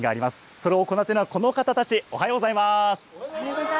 それを行っているのはこの方たち、おはようございます。